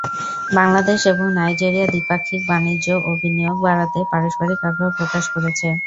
বাংলাদেশ এবং নাইজেরিয়া দ্বিপাক্ষিক বাণিজ্য ও বিনিয়োগ বাড়াতে পারস্পরিক আগ্রহ প্রকাশ করেছে।